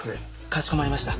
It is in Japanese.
かしこまりました。